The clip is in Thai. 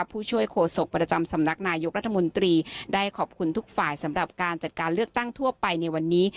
ผู้ช่วยโฆษกประจำสำนักนายกรัฐมนตรีได้ขอบคุณทุกฝ่ายสำหรับการจัดการเลือกตั้งทั่วไปในวันนี้